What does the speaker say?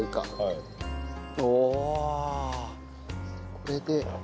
これで。